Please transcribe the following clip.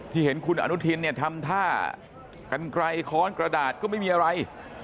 เห็นคุณอนุทินเนี่ยทำท่ากันไกลค้อนกระดาษก็ไม่มีอะไร